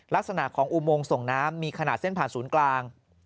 ลักษณะของอุโมงส่งน้ำมีขนาดเส้นผ่านศูนย์กลาง